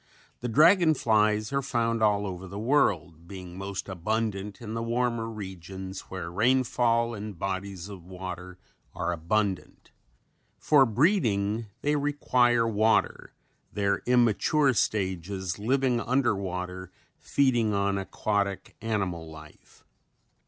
The dragon flies are found all over the world being most abundant in the warmer regions where rainfall and bodies of water are abundant. For breeding they require water, their immature stages living under water feeding on aquatic animal life.